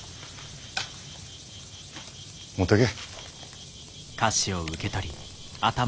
持ってけ。